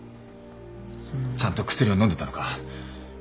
ちゃんと薬を飲んでたのか？